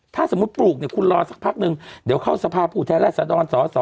ถ้าสมมุติปลูกคุณรอสักพักนึงเดี๋ยวเขาสภาพผู้แท้และสะดอนสอสอ